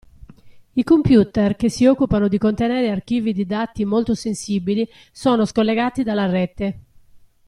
I computer che si occupano di contenere archivi di dati molto sensibili sono scollegati dalla rete.